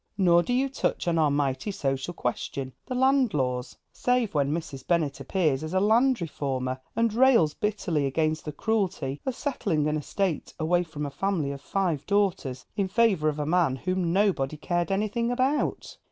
Nor do you touch on our mighty social question, the Land Laws, save when Mrs. Bennet appears as a Land Reformer, and rails bitterly against the cruelty 'of settling an estate away from a family of five daughters, in favour of a man whom nobody cared anything about.'